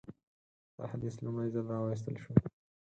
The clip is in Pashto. دا حدیث لومړی ځل راوایستل شو.